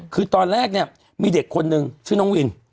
คือตอนแรกเนี่ยมีเด็กคนนึงชื่อน้องวิน